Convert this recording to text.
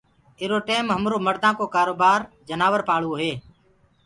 ايرو ٽيم همرو مڙدآ ڪو ڪآروبآر جنآور پآݪوو هي